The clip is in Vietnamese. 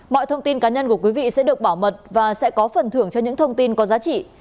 mọi thông tin cá nhân của quý vị sẽ được bảo mật và sẽ có phần thưởng cho những thông tin có giá trị